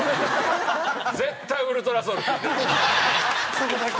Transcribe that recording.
そこだけ。